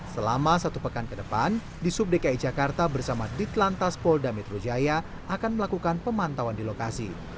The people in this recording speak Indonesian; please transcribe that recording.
selama satu pekan ke depan di sub dki jakarta bersama dit lantas pol damit rujaya akan melakukan pemantauan di lokasi